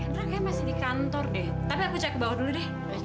dra kayaknya masih di kantor deh tapi aku cek ke bawah dulu deh